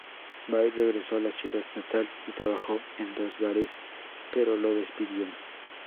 Bay regresó a su ciudad natal y trabajó en dos bares, pero lo despidieron.